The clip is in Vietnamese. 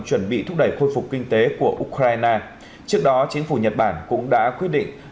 chuẩn bị thúc đẩy khôi phục kinh tế của ukraine trước đó chính phủ nhật bản cũng đã quyết định